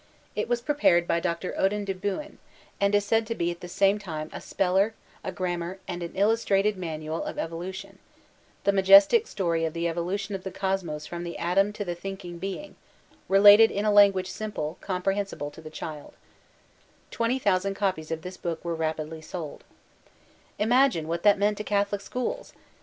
It was prepared by Dr. OdoQ Francisco Fbues 315 de Buen, and is said to be at the same time "a speller, a grammar and an illustrated manual of evolution/' "the majestic story of the evolution of the cosmos from the atom to the thinking being, related in a language simple, comprehensible to the child/' 2D,ooo copies of this book were rapidly sold Imagine what that meant to Catholic schools